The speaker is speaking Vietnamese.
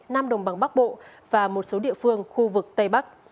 nam đồng bằng bắc bộ và một số địa phương khu vực tây bắc